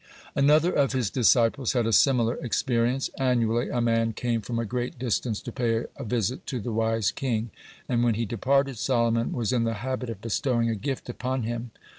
(33) Another of his disciples had a similar experience. Annually a man came from a great distance to pay a visit to the wise king, and when he departed Solomon was in the habit of bestowing a gift upon him.